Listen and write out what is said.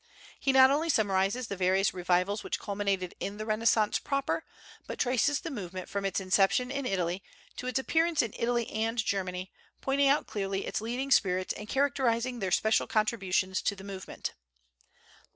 He not only summarizes the various revivals which culminated in the Renaissance proper, but traces the movement from its inception in Italy to its appearance in Italy and Germany, pointing out clearly its leading spirits and characterizing their special contributions to the movement.